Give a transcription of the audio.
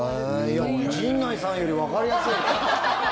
陣内さんよりわかりやすい。